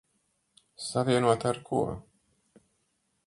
Savienota ar ko?